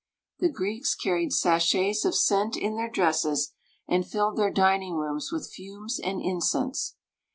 The Greeks carried sachets of scent in their dresses, and filled their dining rooms with fumes and incense.